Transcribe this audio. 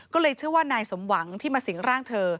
ก็เลยเชื่อว่านายสมหวังที่มาสิงร่างเธอ